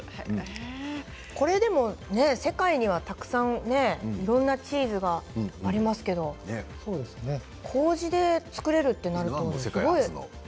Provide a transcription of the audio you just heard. でも世界にはたくさんいろいろなチーズがありますけれどこうじで作れるとなるとすごいですね。